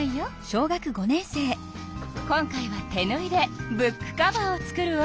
今回は手ぬいでブックカバーを作るわ。